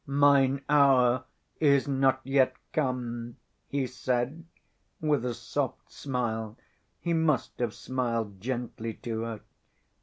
'Mine hour is not yet come,' He said, with a soft smile (He must have smiled gently to her).